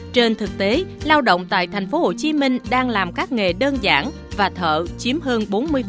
trên thực tế lao động tại thành phố hồ chí minh đang làm các nghề đơn giản và thợ chiếm hơn bốn mươi